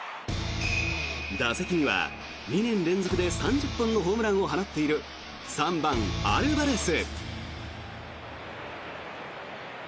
打席には２年連続で３０本のホームランを放っている３番、アルバレス。